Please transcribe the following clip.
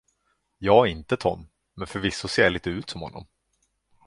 Jag är inte Tom, men förvisso ser jag lite ut som honom.